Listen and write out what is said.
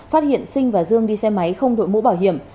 phát hiện sinh và dương đi xe máy không đội mũ bảo hiểm